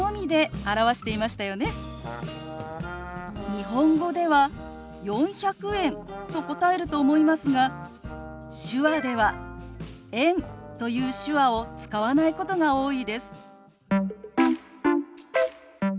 日本語では「４００円」と答えると思いますが手話では「円」という手話を使わないことが多いです。